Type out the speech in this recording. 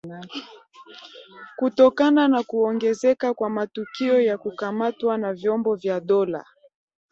Kutokana na kuongezeka kwa matukio ya kukamatwa na vyombo vya dola